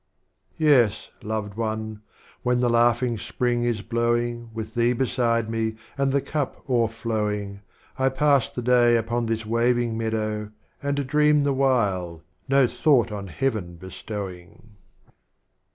Yes, Loved One, when the Laughing Spring is blowing With Thee beside me and the Cup o'erflowing, I pass the day upon this Waving Meadow, And dream the while, no thought on Heaven bestowing.